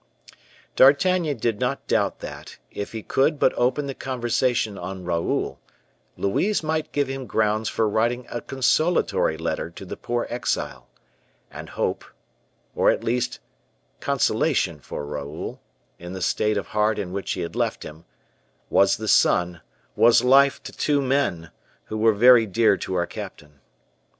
D'Artagnan did not doubt that, if he could but open the conversation on Raoul, Louise might give him grounds for writing a consolatory letter to the poor exile; and hope, or at least consolation for Raoul, in the state of heart in which he had left him, was the sun, was life to two men, who were very dear to our captain.